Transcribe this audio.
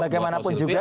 bagaimana pun juga